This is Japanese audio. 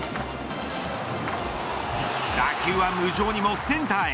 打球は無情にもセンターへ。